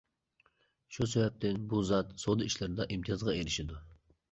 شۇ سەۋەبتىن بۇ زات سودا ئىشلىرىدا ئىمتىيازغا ئېرىشىدۇ.